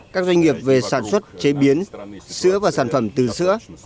các doanh nghiệp về sản xuất chế biến sữa và sản phẩm từ sữa